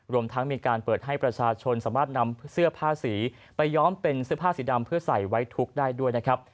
รวมทั้งมีการเปิดให้ประชาชนสามารถนำเสื้อผ้าสีไปย้อมเป็นเสื้อผ้าสีดำเพื่อใส่ไว้ทุกข์ได้ด้วยนะครับ